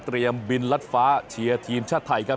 บินรัดฟ้าเชียร์ทีมชาติไทยครับ